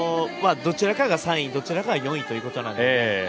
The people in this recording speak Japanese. どちらかが３位どちらかが４位ということなので。